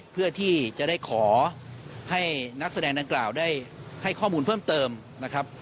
เพื่อที่จะได้ขอให้นักแสดงดังกล่าวได้ให้ข้อมูลเพิ่มเติมนะครับ